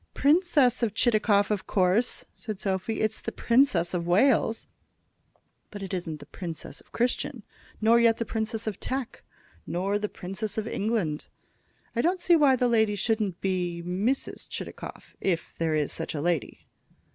"Princess of Chitakov, of course," said Sophy. "It's the Princess of Wales." "But it isn't the Princess of Christian, nor yet the Princess of Teck, nor the Princess of England. I don't see why the lady shouldn't be Mrs. Chitakov, if there is such a lady."